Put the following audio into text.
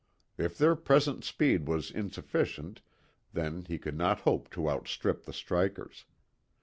If their present speed was insufficient then he could not hope to outstrip the strikers.